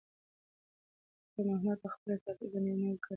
خیر محمد په خپلې صافې باندې یو نوی کار پیل کړ.